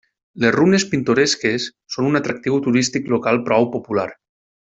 Les runes pintoresques són un atractiu turístic local prou popular.